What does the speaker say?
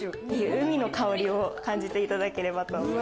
海の香りを感じていただければと。